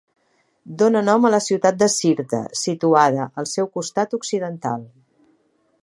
Dóna nom a la ciutat de Sirta, situada al seu costat occidental.